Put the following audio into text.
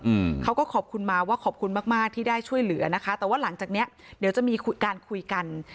อืมเขาก็ขอบคุณมาว่าขอบคุณมากมากที่ได้ช่วยเหลือนะคะแต่ว่าหลังจากเนี้ยเดี๋ยวจะมีการคุยกัน